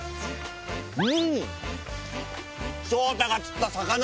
うん！